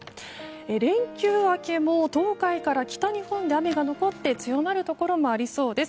連休明けも東海から北日本で雨が残って強まるところもありそうです。